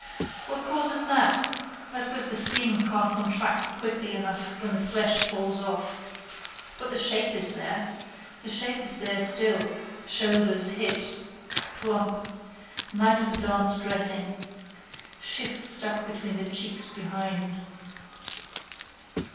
What causes that? I suppose the skin can't contract quickly enough when the flesh falls off. But the shape is there. The shape is there still. Shoulders. Hips. Plump. Night of the dance dressing. Shift stuck between the cheeks behind.